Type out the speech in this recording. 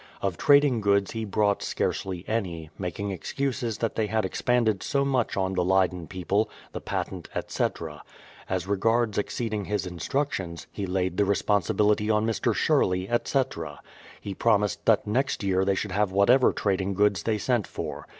Of trading goods he brought scarcely any, making excuses that they had expended so much on the Leyden people, the patent, etc. As regards exceeding his instructions, he laid the responsibility on Mr. Sherley, etc. He prom THE PLYMOUTH SETTLEMENT 207 ised that next year they should have whatever trading goods they sent for.